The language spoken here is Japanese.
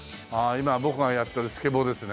今僕がやってるスケボーですね。